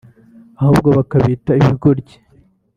ahubwo bakabita ibigoryi